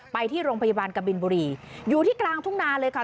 ไปที่โรงพยาบาลกบินบุรีอยู่ที่กลางทุ่งนาเลยค่ะ